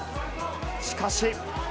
しかし。